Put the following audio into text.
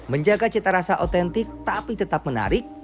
menjaga cita rasa otentik tapi tetap menarik